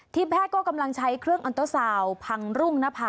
ที่แพทย์ก็กำลังใช้เครื่องอัลตโตซาลพังรุ่งนะภะ